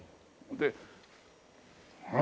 で。